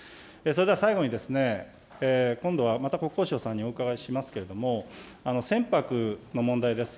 それでは最後に、今度は、また国交省さんにお伺いしますけれども、船舶の問題です。